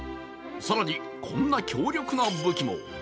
更に、こんな強力な武器も。